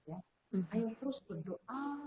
ayo terus berdoa